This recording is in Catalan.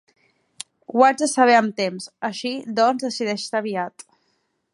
Ho haig de saber amb temps; així, doncs, decideix-te aviat.